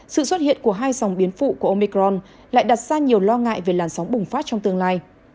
sự xuất hiện của hai dòng biến phụ của omicron lại đặt ra nhiều lo ngại về làn sóng bùng phát trong tương lai